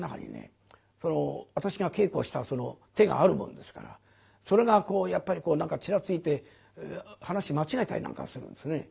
私が稽古したその手があるもんですからそれがやっぱり何かちらついて噺間違えたりなんかするんですね。